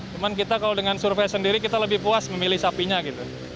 cuman kita kalau dengan survei sendiri kita lebih puas memilih sapinya gitu